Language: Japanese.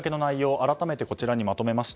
改めて、こちらにまとめました。